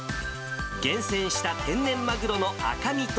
厳選した天然マグロの赤身と